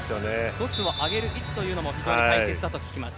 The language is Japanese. トスを上げる位置というのも非常に大切だと聞きます。